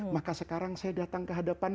maka sekarang saya datang ke hadapan